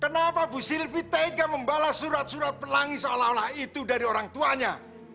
kenapa bu sylvi tega membalas surat surat pelangi seolah olah itu dari orang tuanya